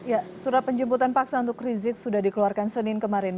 ya surat penjemputan paksa untuk rizik sudah dikeluarkan senin kemarin